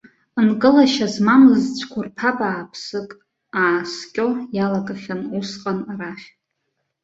Нкылашьа змамыз цәқәырԥа бааԥсык ааскьо иалагахьан усҟан арахь.